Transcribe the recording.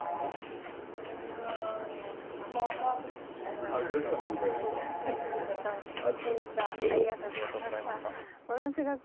はいえとはいありがとうございました